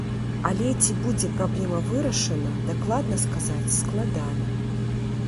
Але ці будзе праблема вырашана, дакладна сказаць складана.